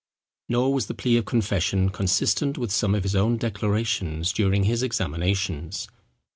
Nor was the plea of confession consistent with some of his own declarations during his examinations.